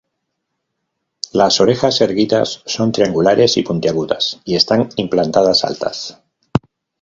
Las orejas, erguidas, son triangulares y puntiagudas, y están implantadas altas.